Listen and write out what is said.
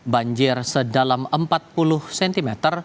banjir sedalam empat puluh cm